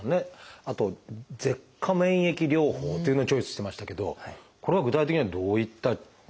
あと舌下免疫療法というのをチョイスしてましたけどこれは具体的にはどういった治療になるんでしょうか？